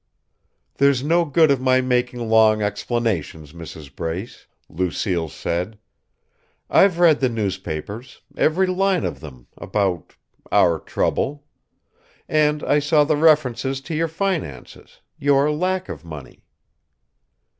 "There's no good of my making long explanations, Mrs. Brace," Lucille said. "I've read the newspapers, every line of them, about our trouble. And I saw the references to your finances, your lack of money."